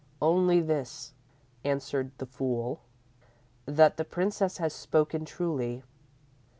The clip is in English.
"_ _"Only this," answered the fool; "that the Princess has spoken truly.